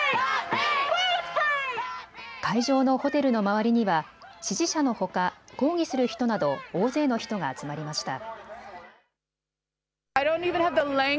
会場のホテルの周りには支持者のほか、抗議する人など大勢の人が集まりました。